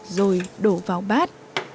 rồi đổ vào bát